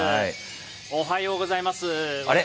おはようございます。